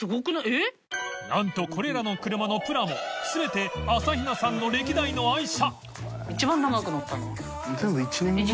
磴覆鵑これらの車のプラモ瓦朝比奈さんの歴代の愛車大島）